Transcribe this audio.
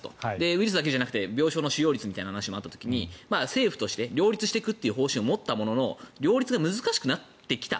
ウイルスだけじゃなくて病床使用率みたいな話があった時に政府として両立していくという方針を持った者の両立が難しくなってきた。